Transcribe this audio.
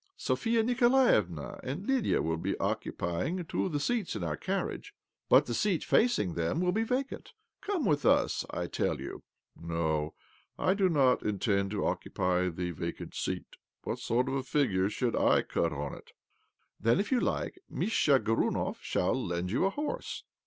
Sophia Niko laevna and Lydia will be occupying two of the seats in our carriage, but the seat facing ' A fashionable park in Petrograd. OBLOMOV 25 them will be vacant. Come with us, I tell you." " No, I do not intend to occupy the vacant seat. What sort of a figure should / cut on it?" " Then, if you like, Mischa Gorunov shall lend you a horse."